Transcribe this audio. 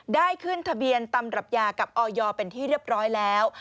ได้ขึ้นทะเบียนตำรับยากับออยเป็นที่เรียบร้อยแล้ว